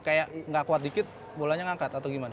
kayak gak kuat dikit bolanya ngangkat atau gimana